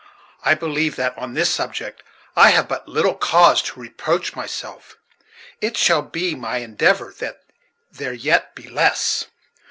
I believe that, on this subject, I have but little cause to reproach myself; it shall be my endeavor that there yet be less."